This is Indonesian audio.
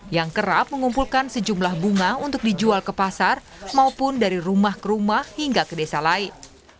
yang kerap mengumpulkan sejumlah bunga untuk dijual ke pasar maupun dari rumah ke rumah hingga ke desa lain